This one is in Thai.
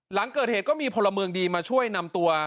หลังเกิดเหตุก็มีพลเมืองดีมาช่วยนำตัว